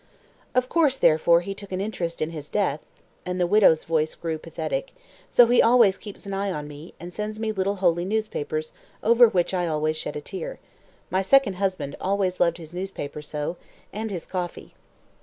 "Of course, therefore, he took an interest in his death," and the widow's voice grew pathetic. "So he always keeps an eye on me, and sends me little holy newspapers, over which I always shed a tear. My second husband always loved his newspaper so and his coffee."